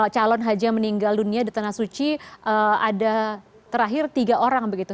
calon haji yang meninggal dunia di tanah suci ada terakhir tiga orang begitu